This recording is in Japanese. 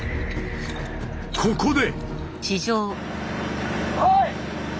ここで。